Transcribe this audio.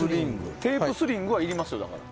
テープスリングはいりますよ、だから。